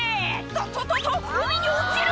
「とっとっとっと海に落ちる！」